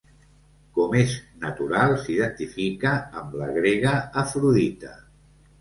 Com és natural, s'identifica amb la grega Afrodita.